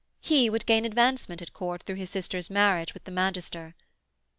He would gain advancement at Court through his sister's marriage with the magister.